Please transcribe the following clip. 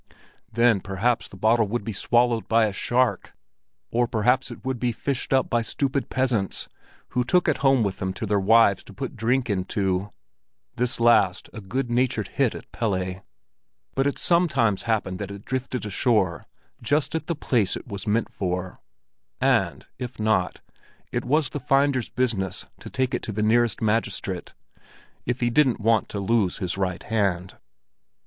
Then perhaps the bottle would be swallowed by a shark, or perhaps it would be fished up by stupid peasants who took it home with them to their wives to put drink into—this last a good natured hit at Pelle. But it sometimes happened that it drifted ashore just at the place it was meant for; and, if not, it was the finder's business to take it to the nearest magistrate, if he didn't want to lose his right hand.